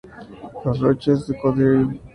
Les Roches-de-Condrieu